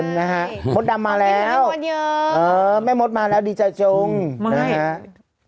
มดดำมาแล้วแม่มดมาละดีจริงโปรดเยอะ